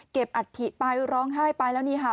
อัฐิไปร้องไห้ไปแล้วนี่ค่ะ